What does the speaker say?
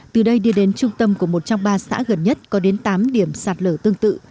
từ đây đi đến trung tâm của một trong ba xã gần nhất có đến tám điểm sạt lở tương tự